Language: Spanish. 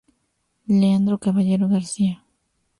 Leandro Caballero García".